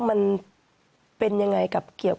ก็เป็นไง